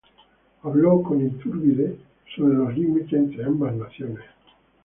Habló con Iturbide sobre los límites entre ambas naciones.